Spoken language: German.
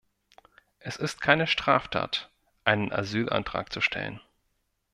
Es ist keine Straftat, einen Asylantrag zu stellen.